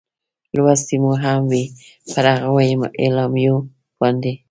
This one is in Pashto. لوستې مو هم وې، پر هغو اعلامیو باندې.